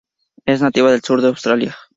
Es nativa del sur de Australia.